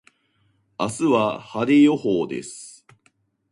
明日は晴れ予報です。